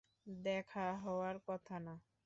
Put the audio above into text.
দেখা হওয়ার কথা না?